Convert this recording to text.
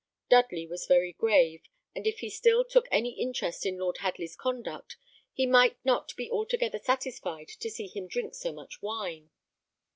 Dudley was very grave, and if he still took any interest in Lord Hadley's conduct he might not be altogether satisfied to see him drink so much wine.